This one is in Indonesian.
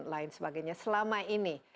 lain sebagainya selama ini